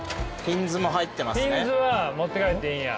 ピンズは持って帰っていいんや。